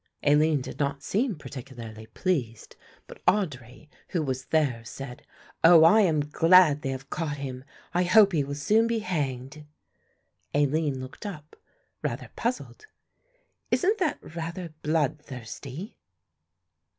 Aline did not seem particularly pleased; but Audry, who was there, said, "Oh, I am glad they have caught him; I hope he will soon be hanged." Aline looked up rather puzzled. "Isn't that rather blood thirsty?"